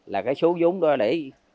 là cái số giống đó để